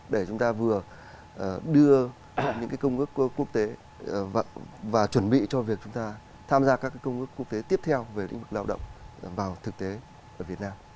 để chúng ta vừa đưa những công ước quốc tế và chuẩn bị cho việc chúng ta tham gia các công ước quốc tế tiếp theo về lĩnh vực lao động vào thực tế ở việt nam